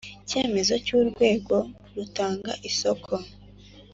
Icyemezo cy urwego rutanga isoko